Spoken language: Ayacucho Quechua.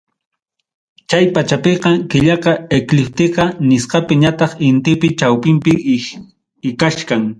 Chay pachapiqa, killaqa eclíptica nisqapi ñataq intipi chawpinpi ikachkan.